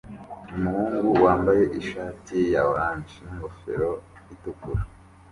Umuhungu wambaye ishati ya orange n'ingofero itukura